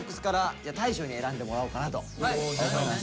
じゃあ大昇に選んでもらおうかなと思います。